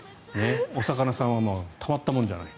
お魚さんはたまったもんじゃない。